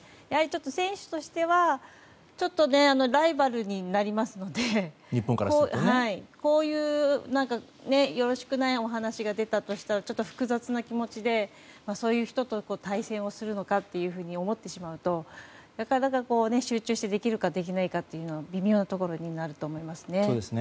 やはり選手としては、ちょっとライバルになりますのでこういうよろしくないお話が出たとしたらちょっと複雑な気持ちでそういう人と対戦をするのかというふうに思ってしまうとなかなか集中してできるかできないかというのは微妙なところになると思いますね。